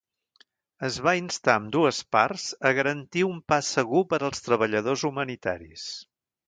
Es va instar a ambdues parts a garantir un pas segur per als treballadors humanitaris.